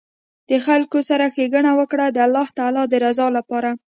د خلکو سره ښیګڼه وکړه د الله تعالي د رضا لپاره